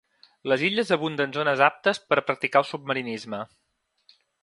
Les illes abunden zones aptes per practicar el submarinisme.